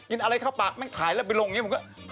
อะไรเข้าปากแม่งขายแล้วไปลงอย่างนี้ผมก็